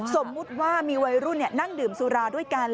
สมมุติว่ามีวัยรุ่นนั่งดื่มสุราด้วยกัน